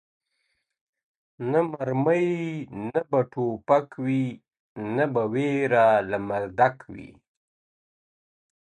نه مرمۍ نه به توپک وي نه به وېره له مردک وي.